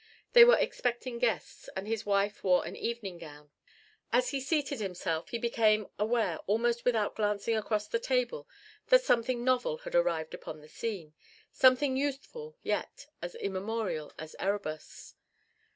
They were expecting guests, and his wife wore an evening gown. As he seated himself, he became aware almost without glancing across the table that something novel had arrived upon the scene something youthful yet as immemorial as Erebus.